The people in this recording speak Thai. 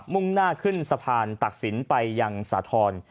่งหน้าขึ้นสะพานตักศิลป์ไปยังสาธรณ์